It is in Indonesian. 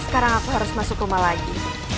sekarang aku harus masuk rumah lagi